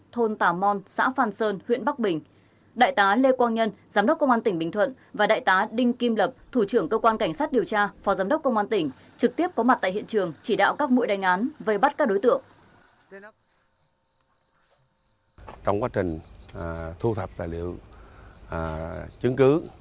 thôn tà mon xã phan sơn huyện bắc bình đại tá lê quang nhân giám đốc công an tỉnh bình thuận và đại tá đinh kim lập thủ trưởng cơ quan cảnh sát điều tra phó giám đốc công an tỉnh trực tiếp có mặt tại hiện trường chỉ đạo các mũi đánh án vây bắt các đối tượng